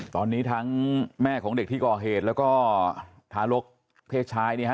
ตอนนี้ทั้งแม่ของเด็กที่ก่อเหตุแล้วก็ทารกเพศชายเนี่ยฮะ